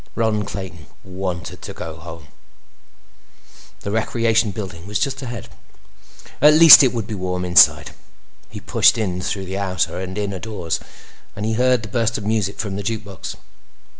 Ron Clayton wanted to go home. The Recreation Building was just ahead; at least it would be warm inside. He pushed in through the outer and inner doors, and he heard the burst of music from the jukebox.